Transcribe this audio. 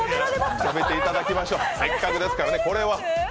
食べていただきましょう、せっかくですからね。